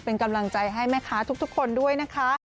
เป็นกำลังใจให้แม่ค้าทุกคนด้วยนะคะ